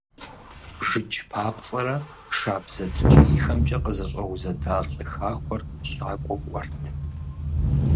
БжыкӀ папцӀэрэ шабзэ ткӀийхэмкӀэ къызэщӀэузэда лӀы хахуэхэр щакӀуэ кӀуэрт.